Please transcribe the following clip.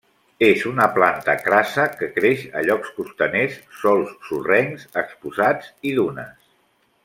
És una planta crassa que creix a llocs costaners, sòls sorrencs exposats i dunes.